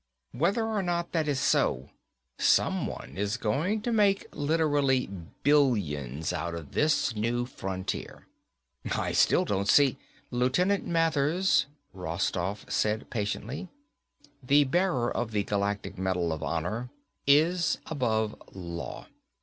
Whether or not that is so, someone is going to make literally billions out of this new frontier." "I still don't see ..." "Lieutenant Mathers," Rostoff said patiently, "the bearer of the Galactic Medal of Honor is above law.